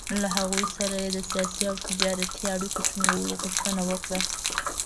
له هغوی سره یې د سیاسي او تجارتي اړیکو ټینګولو غوښتنه وکړه.